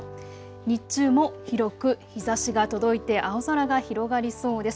日中も広く日ざしが届いて青空が広がりそうです。